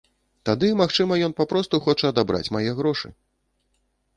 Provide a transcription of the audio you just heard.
Тады, магчыма, ён папросту хоча адабраць мае грошы.